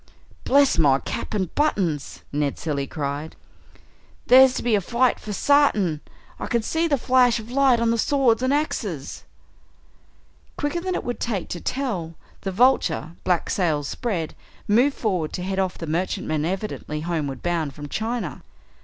"Bless my cap and buttons!" Ned Cilley cried, "there's to be a fight for sartin. I can see the flash of light on the swords and axes!" Quicker than it would take to tell, the Vulture, black sails spread, moved forward to head off the merchantman evidently homeward bound from China.